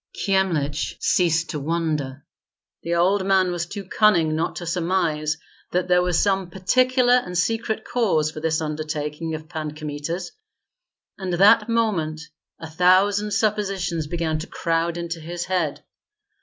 Kyemlich ceased to wonder. The old man was too cunning not to surmise that there was some particular and secret cause for this undertaking of Pan Kmita's, and that moment a thousand suppositions began to crowd into his head.